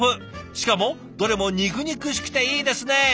しかもどれも肉肉しくていいですね！